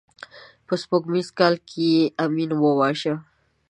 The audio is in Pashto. په سپوږمیز کال کې یې امین وواژه.